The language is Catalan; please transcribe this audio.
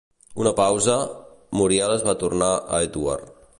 Una pausa-Muriel es va tornar a Edward.